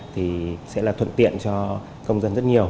thì sẽ là thuận tiện cho công dân rất nhiều